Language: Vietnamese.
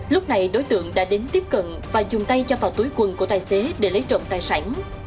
lúc này đối tượng đã đến tiếp cận và dùng tay cho vào túi quần của tài xế để lấy trộm tài sản